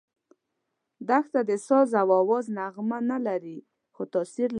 دښته د ساز او آواز نغمه نه لري، خو تاثیر لري.